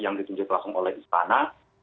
yang ditunjukkan oleh istana